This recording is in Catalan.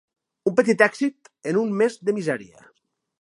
Un petit èxit en un mes de misèria.